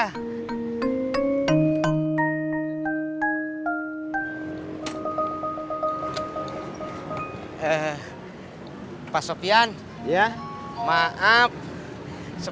tidak ada yang bisa dikira